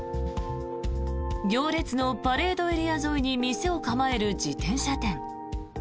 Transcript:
行列のパレードエリア沿いに店を構える自転車店。